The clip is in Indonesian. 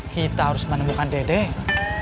kita harus menemukan dedek